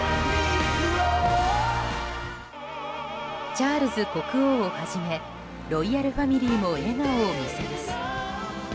チャールズ国王をはじめロイヤルファミリーも笑顔を見せます。